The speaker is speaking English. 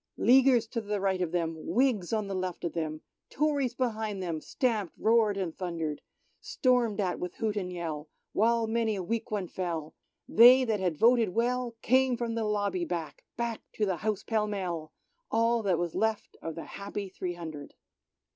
' Leaguers to right of them, Whigs on the left of them, Tories behind them, stamped, roared, and thundered. Stormed at with hoot and yellj while many a weak one fell. They that had voted well came from the lobby back, back to the House pell mell — All that was left of the happy three hundred.